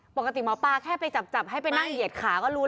ปกติหมอปลาแค่ไปจับให้ไปเย็นขาก็รู้